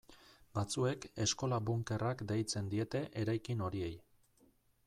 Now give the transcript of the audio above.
Batzuek eskola-bunkerrak deitzen diete eraikin horiei.